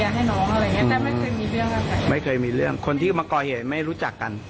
แต่ไม่เคยมีเรื่องกันไม่เคยมีเรื่องคนที่มาก่อเหตุไม่รู้จักกัน